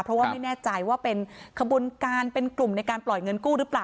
เพราะว่าไม่แน่ใจว่าเป็นกลุ่มในการปล่อยเงินกู้หรือเปล่า